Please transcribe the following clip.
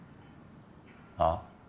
あっ？